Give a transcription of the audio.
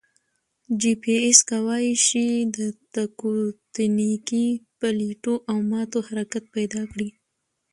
جي پي ایس کوای شي د تکوتنیکي پلیټو او ماتو حرکت پیدا کړي